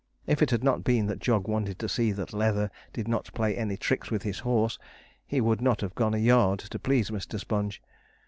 If it had not been that Jog wanted to see that Leather did not play any tricks with his horse, he would not have gone a yard to please Mr. Sponge.